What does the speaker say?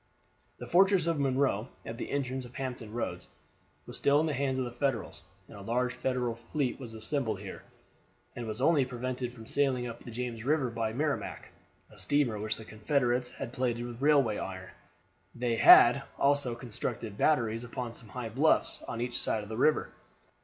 The fortress of Monroe, at the entrance of Hampton Roads, was still in the hands of the Federals, and a large Federal fleet was assembled here, and was only prevented from sailing up the James River by the Merrimac, a steamer which the Confederates had plated with railway iron. They had also constructed batteries upon some high bluffs on each side of the river.